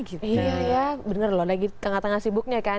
iya bener loh lagi tengah tengah sibuknya kan